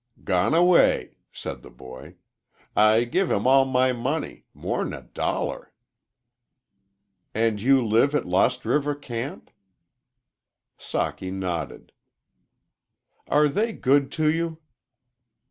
"Gone away," said the boy. "I give him all my money more'n a dollar." "And you live at Lost River camp?" Socky nodded. "Are they good to you?"